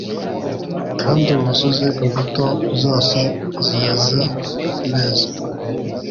Kandi wuzuze imbuto zose zeze neza;